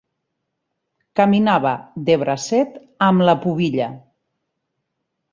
Caminava de bracet amb la pubilla.